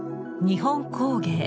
日本工芸